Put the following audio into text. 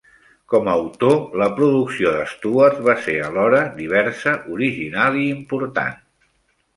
Com a autor, la producció d'Stewart va ser alhora diversa, original i important.